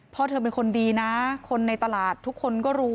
พ่อเธอเป็นคนดีนะคนในตลาดทุกคนก็รู้